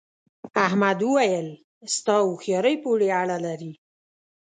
احمد وويل: ستا هوښیارۍ پورې اړه لري.